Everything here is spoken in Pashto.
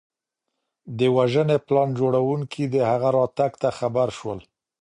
د وژنې پلان جوړونکي د هغه راتګ ته خبر شول.